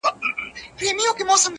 • چي یې سور د میني نه وي په سینه کي..